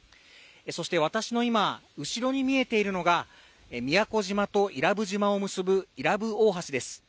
そして私の今後ろに見えているのが宮古島と伊良部島を結ぶ伊良部大橋です